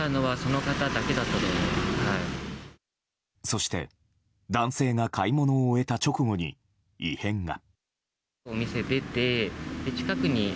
そして、男性が買い物を終えた直後に異変が。